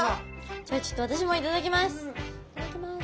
じゃあちょっと私も頂きます。